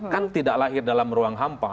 kan tidak lahir dalam ruang hampa